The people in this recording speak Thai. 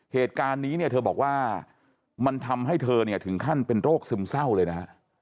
เหตุการณ์นี้เนี่ยเธอบอกว่ามันทำให้เธอเนี่ยถึงขั้นเป็นโรคซึมเศร้าเลยนะฮะ